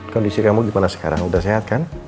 kondisi kamu gimana sekarang udah sehat kan